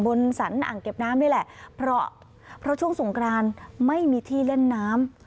สรรอ่างเก็บน้ำนี่แหละเพราะเพราะช่วงสงกรานไม่มีที่เล่นน้ำ